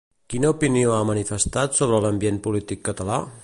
Quina opinió ha manifestat sobre l'ambient polític català?